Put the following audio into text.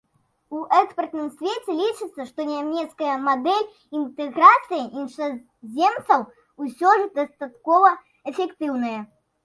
У экспертным свеце лічыцца, што нямецкая мадэль інтэграцыі іншаземцаў усё ж дастаткова эфектыўная.